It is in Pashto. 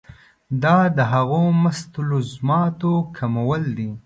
دا د هغو مستلزماتو کمول دي.